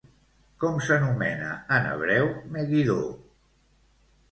Com s'anomena en hebreu Meguidó?